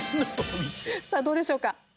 さあ、どうでしょうか。